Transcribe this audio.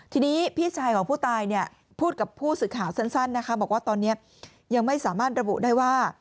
ทีนี้พี่ชายของผู้ตายเนี่ยพูดกับผู้สื่อข่าวสั้นนะคะบอกว่าตอนนี้ยังไม่สามารถระบุได้ว่า